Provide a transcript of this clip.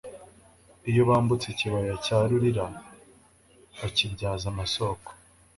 iyo bambutse ikibaya cya rurira, bakibyaza amasoko